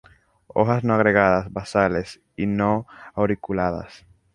Hojas no agregadas basales y no auriculadas.